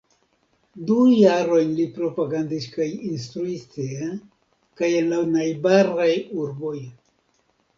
Du jarojn li propagandis kaj instruis tie kaj en najbaraj urboj.